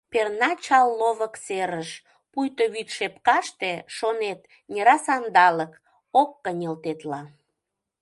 Перна чал ловык серыш — пуйто вӱд шепкаште, Шонет, нера Сандалык — ок кынел тетла.